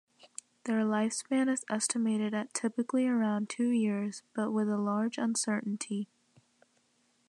Their lifespan is estimated at typically around two years, but with a large uncertainty.